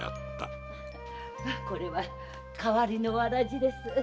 これは代わりの草鞋です。